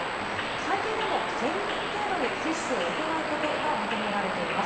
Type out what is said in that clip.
最低でも１０００人程度に接種を行うことが求められています。